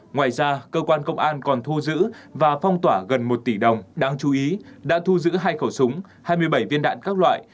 ngoài ra cơ quan công an còn thu giữ và phong tỏa gần một tỷ đồng đáng chú ý đã thu giữ hai khẩu súng hai mươi bảy viên đạn các loại